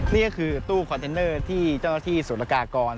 นี่ก็คือตู้คอนเทนเนอร์ที่เจ้าหน้าที่ศูนย์ละกากร